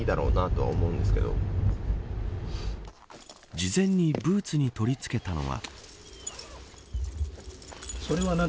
事前にブーツに取り付けたのは。